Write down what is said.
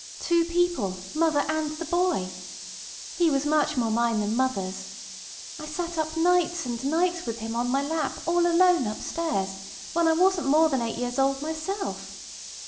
Two people—mother and the boy. He was much more mine than mother's. I sat up nights and nights with him on my lap, all alone upstairs, when I wasn't more than eight years old myself.